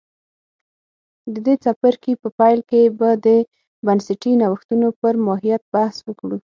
د دې څپرکي په پیل کې به د بنسټي نوښتونو پر ماهیت بحث وکړو